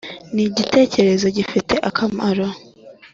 nigitekerezo gifite akamaro